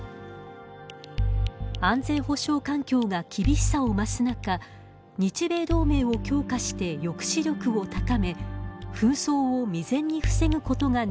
安全保障環境が厳しさを増す中日米同盟を強化して抑止力を高め紛争を未然に防ぐことがねらいだとしました。